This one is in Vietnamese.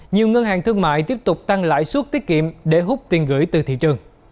nhiều ngân hàng thương mại tiếp tục tăng lãi suất tiết kiệm để hút tiền gửi từ thị trường